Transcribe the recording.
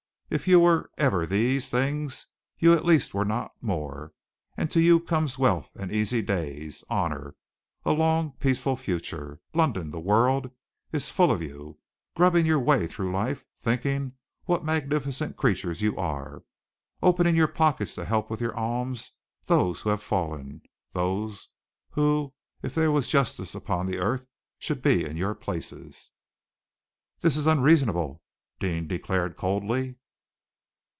If you were ever these things you at least were not more, and to you comes wealth and easy days, honor, a long, peaceful future. London the world is full of you, grubbing your way through life, thinking what magnificent creatures you are, opening your pockets to help with your alms those who have fallen, those who, if there was justice upon the earth, should be in your places!" "This is unreasonable," Deane declared coldly.